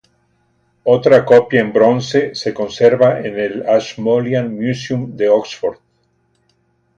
Otra copia en bronce se conserva en el "Ashmolean Museum" de Oxford.